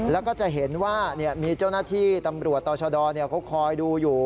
แล้วก็จะเห็นว่ามีเจ้าหน้าที่ตำรวจต่อชะดอเขาคอยดูอยู่